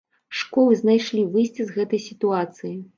Школы знайшлі выйсце з гэтай сітуацыі.